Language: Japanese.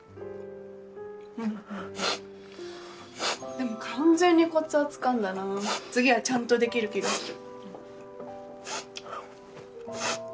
でも完全にコツはつかんだな次はちゃんとできる気がする。